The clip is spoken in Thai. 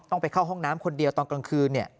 ต้องไปเข้าห้องน้ำคนเดียวตอนกลางคืนเนี่ย